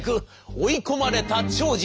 追い込まれた長司